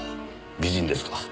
美人ですか？